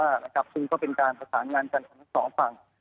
กับติวและก็จะเป็นการประสานงานกันตั้งทั้งสองฝั่ง